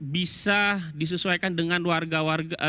bisa disesuaikan dengan warga warga